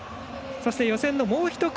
そして、予選のもう１組。